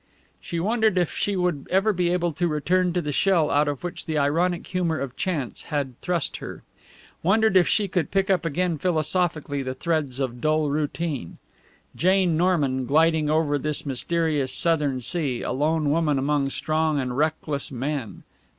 She wondered if she would ever be able to return to the shell out of which the ironic humour of chance had thrust her. Wondered if she could pick up again philosophically the threads of dull routine. Jane Norman, gliding over this mysterious southern sea, a lone woman among strong and reckless men!